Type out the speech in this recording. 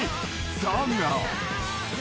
［だが］